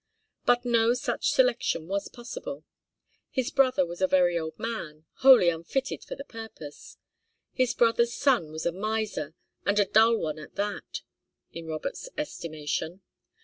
But no such selection was possible. His brother was a very old man, wholly unfitted for the purpose. His brother's son was a miser, and a dull one at that, in Robert's estimation.